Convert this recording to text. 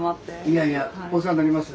いやいやお世話になります。